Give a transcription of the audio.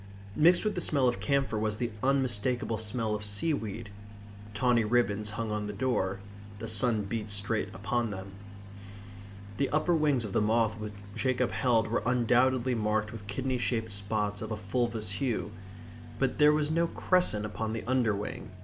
Mixed with the smell of camphor was the unmistakable smell of seaweed. Tawny ribbons hung on the door. The sun beat straight upon them. The upper wings of the moth which Jacob held were undoubtedly marked with kidney shaped spots of a fulvous hue. But there was no crescent upon the underwing.